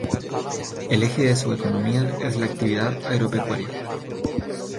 El eje de su economía es la actividad agropecuaria.